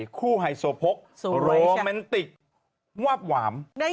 ทีใหม่คู่ไฮโซโพกโรแมนติกวาบหวาม